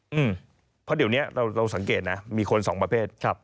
เพราะเดี๋ยวนี้เราสังเกตนะมีคนสองประเภทครับ